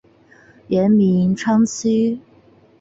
原名昌枢。